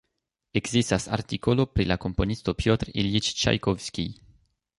Ekzistas artikolo pri la komponisto Pjotr Iljiĉ Ĉajkovskij.